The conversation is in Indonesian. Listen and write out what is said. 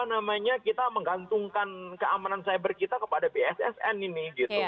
namanya kita menggantungkan keamanan cyber kita kepada bssn ini gitu